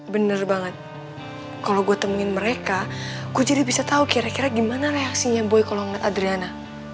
bener banget kalo gue temenin mereka gue jadi bisa tau kira kira gimana reaksinya boy kalo ngeliat adriana